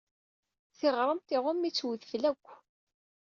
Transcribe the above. Tiɣremt iɣumm-itt wudfel akk.